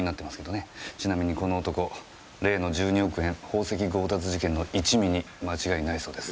ちなみにこの男例の１２億円宝石強奪事件の一味に間違いないそうです。